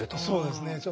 そうですね。